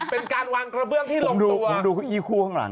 เป็นการวางกระเบื้องที่ลงตัวเอ่อใช่ผมดูอีกคู่ข้างหลัง